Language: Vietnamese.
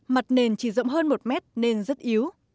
mặt nền chỉ rộng hơn một mét nên rất yếu